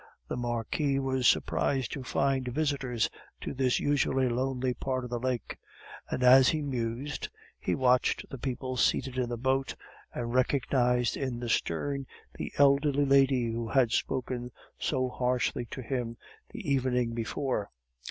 The Marquis was surprised to find visitors to this usually lonely part of the lake; and as he mused, he watched the people seated in the boat, and recognized in the stern the elderly lady who had spoken so harshly to him the evening before.